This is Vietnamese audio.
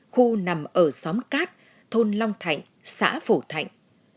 khu nằm ở xóm cát thôn long thạnh xã phổ thạnh